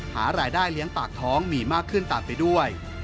หารายได้เลี้ยงปากท้องมีมากขึ้นตามไปด้วย